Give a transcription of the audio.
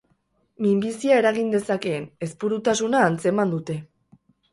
Minbizia eragin dezakeen ezpurutasuna antzeman dute.